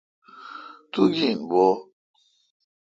تو گین بھو۔